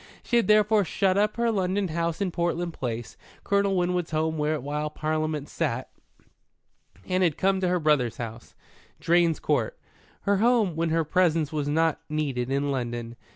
She had therefore shut up her London house in Portland Place, Colonel Winwood's home while Parliament sat, and had come to her brother's house, Drane's Court, her home when her presence was not needed in London.